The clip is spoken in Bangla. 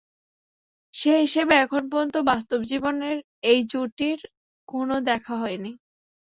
সে হিসেবে এখন পর্যন্ত বাস্তব জীবনের এই জুটির কোনো দেখা হয়নি।